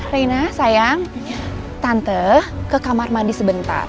reina sayang tante ke kamar mandi sebentar